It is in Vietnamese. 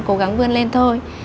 cố gắng vươn lên thôi